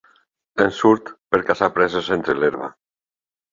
En surt per caçar preses entre l'herba.